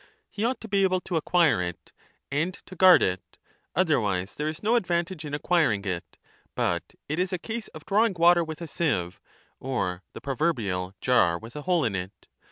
He ought to be able to acquire it, and to guard it ; otherwise there is no advantage in acquiring it, but it is a case of drawing water with a sieve, or the proverbial jar 25 with a hole in it.